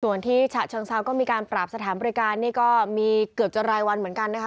ส่วนที่ฉะเชิงเซาก็มีการปราบสถานบริการนี่ก็มีเกือบจะรายวันเหมือนกันนะคะ